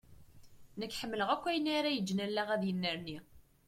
Nekk ḥemmleɣ akk ayen ara iǧǧen allaɣ ad yennerni.